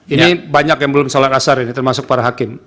ini banyak yang belum sholat asar ini termasuk para hakim